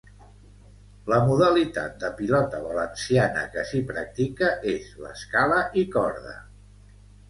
La modalitat de Pilota valenciana que s'hi practica és l'Escala i corda.